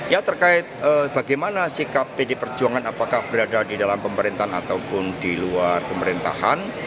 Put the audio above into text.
ya terkait bagaimana sikap pdi perjuangan apakah berada di dalam pemerintahan ataupun di luar pemerintahan